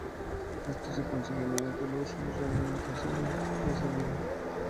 Esto se consigue mediante el uso de realimentación de la salida.